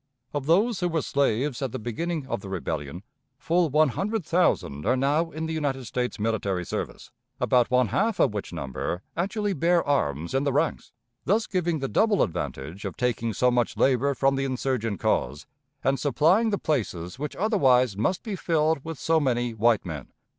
... Of those who were slaves at the beginning of the rebellion, full one hundred thousand are now in the United States military service, about one half of which number actually bear arms in the ranks, thus giving the double advantage of taking so much labor from the insurgent cause, and supplying the places which otherwise must be filled with so many white men.